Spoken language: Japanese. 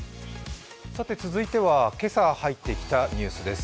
続いては今朝入ってきたニュースです。